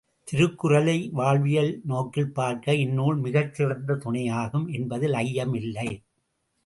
திருக்குறளை வாழ்வியல் நோக்கில் பார்க்க, இந்நூல் மிகச் சிறந்த துணையாகும் என்பதில் ஐயமில்லை.